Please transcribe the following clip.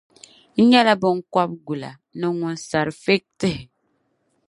n nyɛla biŋkɔbigula ni ŋun sari fiig tihi.